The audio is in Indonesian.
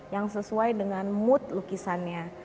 yang sesuai dengan mood lukisannya